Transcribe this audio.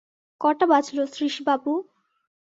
কটা বাজল শ্রীশবাবু?